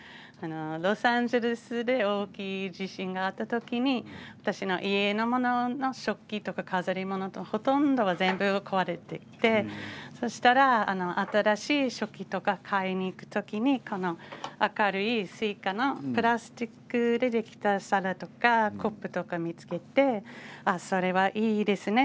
ロサンゼルスで大きい地震があった時に私の家の食器とか飾り物ほとんど全部、壊れていてそうしたら新しい食器とか買いに行く時にこの明るいスイカのプラスチックでできた皿とかコップとか見つけてそれは、いいですね